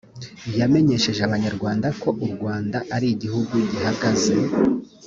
yamenyesheje abanyarwanda ko u rwanda ari igihugu gihagaze